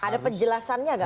ada penjelasannya nggak